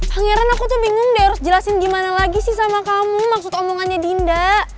pangeran aku tuh bingung deh harus jelasin gimana lagi sih sama kamu maksud omongannya dinda